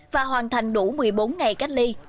và hoàn thành đủ một mươi bốn ngày cách ly